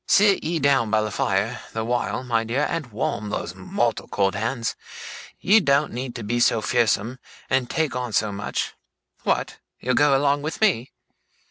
'Sit ye down by the fire, the while, my dear, and warm those mortal cold hands. You doen't need to be so fearsome, and take on so much. What? You'll go along with me?